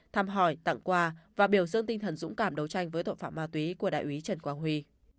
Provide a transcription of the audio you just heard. thăm hỏi tặng quà và biểu dương tinh thần dũng cảm đấu tranh với tội phạm ma túy của đại úy trần quang huy